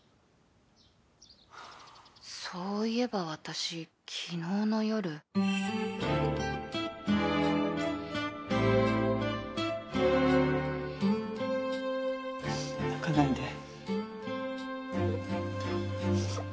そういえば私昨日の夜泣かないで。